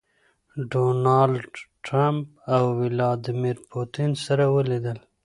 ډونالډ ټرمپ او ويلاديمير پوتين سره وليدل.